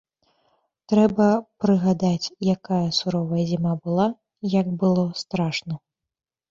Трэба прыгадаць, якая суровая зіма была, як было страшна.